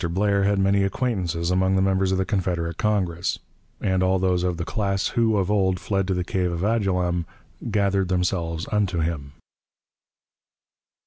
Blair had many acquaintances among the members of the Confederate Congress; and all those of the class who, of old, fled to the cave of Adullam, "gathered themselves unto him."